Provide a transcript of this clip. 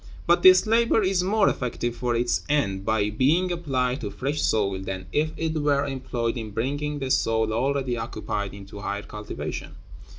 But this labor is more effective for its end by being applied to fresh soil than if it were employed in bringing the soil already occupied into higher cultivation.